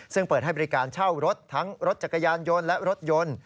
ซึ่งเปิดให้บริการเช่ารถทั้งรถจักรยานยนต์และรถยนต์